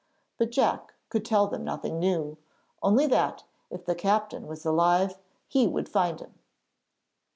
But Jack could tell them nothing new; only that, if the captain was alive, he would find him.